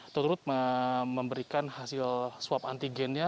turut memberikan hasil swab antigennya